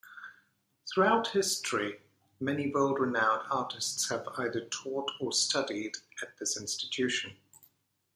Throughout history, many world-renowned artists have either taught or studied at this institution.